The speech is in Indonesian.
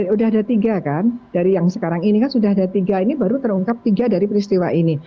sudah ada tiga kan dari yang sekarang ini kan sudah ada tiga ini baru terungkap tiga dari peristiwa ini